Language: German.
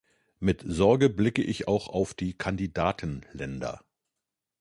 Mit Sorge blicke ich auch auf die Kandidatenländer.